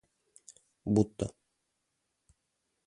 будто